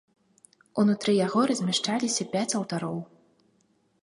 Унутры яго размяшчаліся пяць алтароў.